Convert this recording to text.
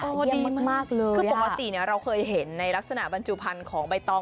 ดีมากเลยคือปกติเนี่ยเราเคยเห็นในลักษณะบรรจุพันธุ์ของใบตอง